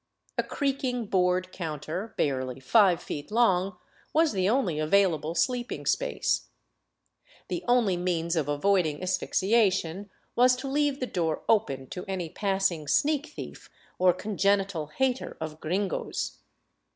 A creaking board counter, barely five feet long, was the only available sleeping space. The only means of avoiding asphyxiation was to leave the door open to any passing sneak thief or congenital hater of gringos.